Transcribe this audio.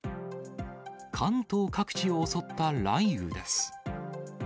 関東各地を襲った雷雨です。